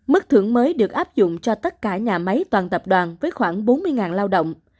mức thưởng mới được áp dụng cho tất cả nhà máy toàn tập đoàn với khoảng bốn mươi lao động